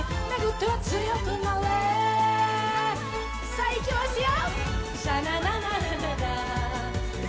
さあいきますよ！